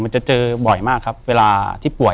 จะเจอบ่อยมากครับเวลาที่ป่วย